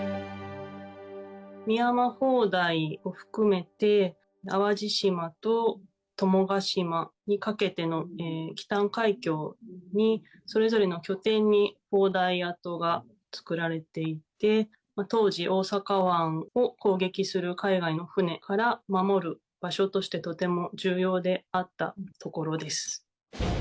深山砲台を含めて淡路島と友ヶ島にかけての紀淡海峡にそれぞれの拠点に砲台跡が造られていて当時、大阪湾を攻撃する海外の船から守る場所としてとても重要であったところです。